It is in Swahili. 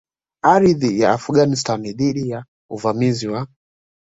Ardhi ya Afghanistan dhidi ya uvamizi wa